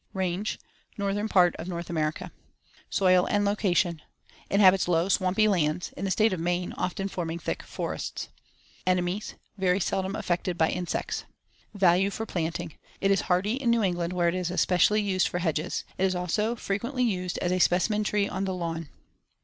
Range: Northern part of North America. Soil and location: Inhabits low, swampy lands; in the State of Maine often forming thick forests. Enemies: Very seldom affected by insects. Value for planting: Is hardy in New England, where it is especially used for hedges. It is also frequently used as a specimen tree on the lawn.